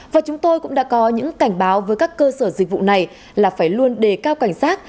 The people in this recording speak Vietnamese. và chúng tôi cũng đã có những cảnh báo với các cơ sở dịch vụ này là phải luôn đề cao cảnh sát